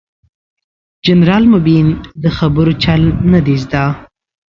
جنرال مبين ده خبرو چل نه دې زده.